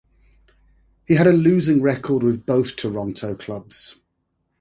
He had a losing record with both Toronto clubs.